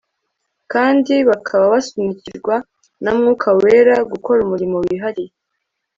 kandi bakaba basunikirwa na Mwuka Wera gukora umurimo wihariye